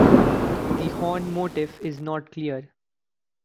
The horn motif is not clear.